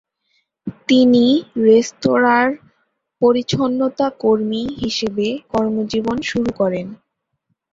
তিনি রেস্তোরাঁর পরিচ্ছন্নতা কর্মী হিসেবে কর্মজীবন শুরু করেন।